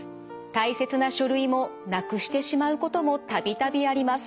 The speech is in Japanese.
大切な書類もなくしてしまうことも度々あります。